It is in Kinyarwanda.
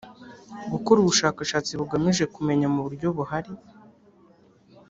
gukora ubushakashatsi bugamije kumenya mu buryo buhari